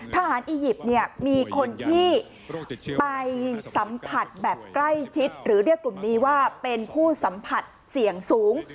อียิปต์มีคนที่ไปสัมผัสแบบใกล้ชิดหรือเรียกกลุ่มนี้ว่าเป็นผู้สัมผัสเสี่ยงสูง